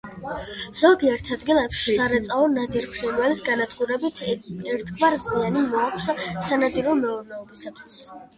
ზოგიერთ ადგილებში სარეწაო ნადირ-ფრინველის განადგურებით ერთგვარი ზიანი მოაქვს სანადირო მეურნეობისათვის.